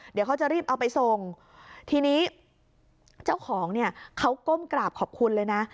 เดี๋ยวเขาจะรีบเอาไปส่งทีนี้เจ้าของเนี่ยเขาก้มกราบขอบคุณเลยนะ